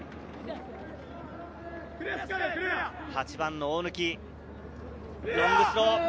８番の大貫、ロングスロー。